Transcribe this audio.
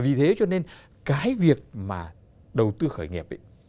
vì thế cho nên cái việc mà đầu tư khởi nghiệp